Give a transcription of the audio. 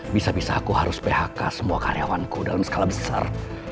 bisa bisa aku harus phk semua karyawanku dalam skala besar